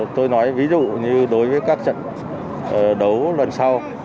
tôi nói ví dụ như đối với các trận đấu lần sau